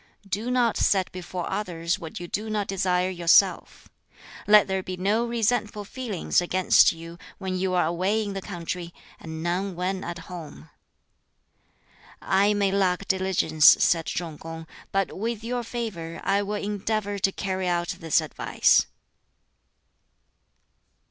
Do not set before others what you do not desire yourself. Let there be no resentful feelings against you when you are away in the country, and none when at home." "I may lack diligence," said Chung kung, "but with your favor I will endeavor to carry out this advice."